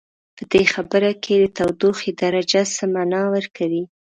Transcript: په دې خبر کې د تودوخې درجه څه معنا ورکوي؟